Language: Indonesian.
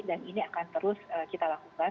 dan ini akan terus kita lakukan